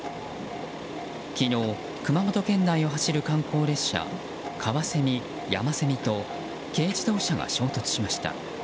昨日、熊本県内を走る観光列車「かわせみやませみ」と軽自動車が衝突しました。